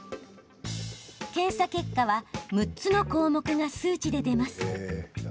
検査結果は６つの項目が数値で出ます。